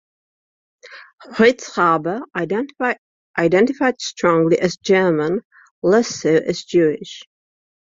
Fritz Haber identified strongly as German, less so as Jewish.